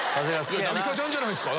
⁉凪咲ちゃんじゃないんすか？